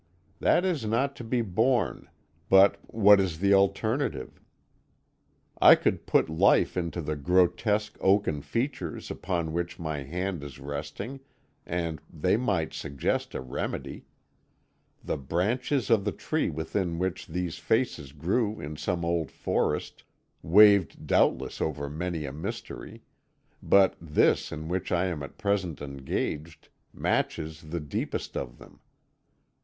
That is not to be borne, but what is the alternative? I could put life into the grotesque oaken features upon which my hand is resting, and they might suggest a remedy. The branches of the tree within which these faces grew in some old forest waved doubtless over many a mystery, but this in which I am at present engaged matches the deepest of them.